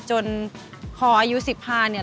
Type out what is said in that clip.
จนพออายุ๑๐พาห์เนี่ย